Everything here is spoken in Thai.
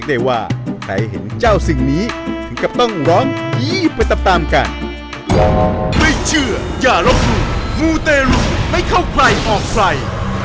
กันสักครู่ครับ